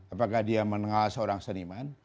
apakah dia mengenal seorang seniman